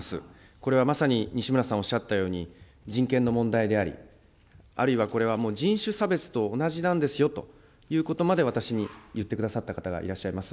これはまさに西村さんおっしゃったように、人権の問題であり、あるいは、これはもう人種差別と同じなんですよということまで、私に言ってくださった方がいらっしゃいます。